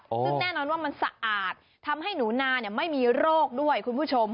ซึ่งแน่นอนว่ามันสะอาดทำให้หนูนาไม่มีโรคด้วยคุณผู้ชม